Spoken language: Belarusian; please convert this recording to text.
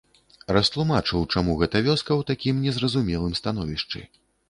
Растлумачыў, чаму гэта вёска ў такім незразумелым становішчы.